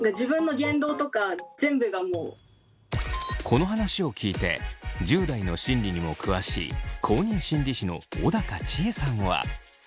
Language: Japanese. この話を聞いて１０代の心理にも詳しい公認心理師の小高千枝さんは。